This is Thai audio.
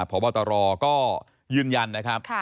พบตรก็ยืนยันนะครับ